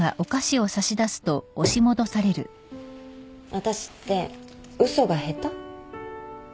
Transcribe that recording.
私って嘘が下手？